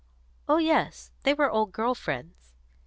"Oh yes; they were old girl friends."